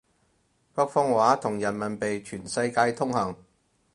北方話同人民幣全世界通行